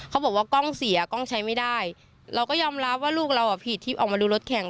เขาบอกว่ากล้องเสียกล้องใช้ไม่ได้เราก็ยอมรับว่าลูกเราอ่ะผิดที่ออกมาดูรถแข่ง